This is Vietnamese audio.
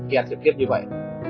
khi ăn trực tiếp như vậy